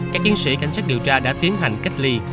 các chiến sĩ cảnh sát điều tra đã tiến hành cách ly